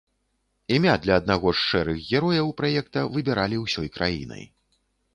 Імя для аднаго з шэрых герояў праекта выбіралі ўсёй краінай.